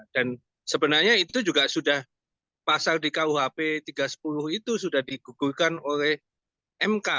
dan sebenarnya itu juga sudah pasar di kuhp tiga ratus sepuluh itu sudah digugurkan oleh mk